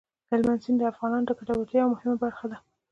هلمند سیند د افغانانو د ګټورتیا یوه مهمه برخه ده.